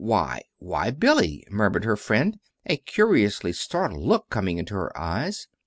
"Why, why, Billy!" murmured her friend, a curiously startled look coming into her eyes.